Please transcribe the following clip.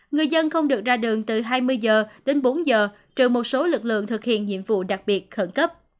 người dân không được ra đường từ hai mươi h đến bốn giờ trừ một số lực lượng thực hiện nhiệm vụ đặc biệt khẩn cấp